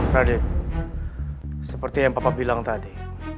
radit seperti yang papa bilang tadi